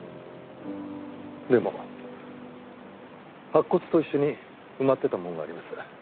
でも白骨と一緒に埋まっていたものがあります。